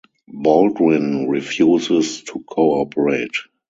Baldwin refuses to cooperate.